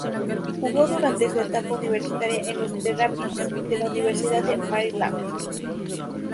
Jugó durante su etapa universitaria en los "Terrapins" de la Universidad de Maryland.